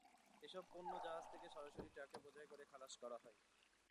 এসব পণ্য জাহাজ থেকে সরাসরি ট্রাকে বোঝাই করে খালাস করা হয়।